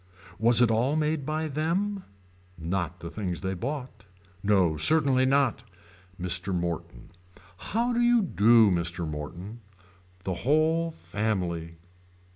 Was it all made by them. Not the things they bought. No certainly not. Mr. Morton. How do you do Mr. Morton. The whole family.